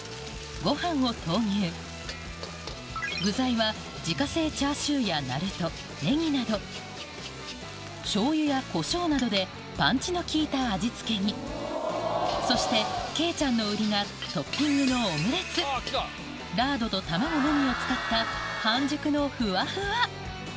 ご飯を投入具材は自家製チャーシューやナルトネギなどしょうゆやコショウなどでパンチの利いた味付けにそして啓ちゃんの売りがトッピングのラードと卵のみを使った半熟のふわふわ！